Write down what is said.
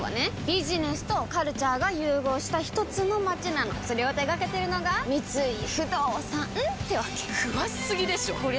ビジネスとカルチャーが融合したひとつの街なのそれを手掛けてるのが三井不動産ってわけ詳しすぎでしょこりゃ